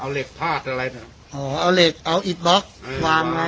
เอาเหล็กพาดอะไรเนี่ยอ๋อเอาเหล็กเอาอิดบล็อกวางไว้